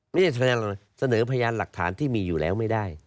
เสนอพยานหลักฐานที่มีอยู่แล้วไม่ได้